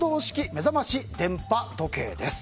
目覚まし電波時計です。